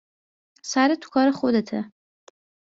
سرت تو کار خودته